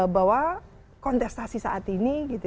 bahwa kontestasi saat ini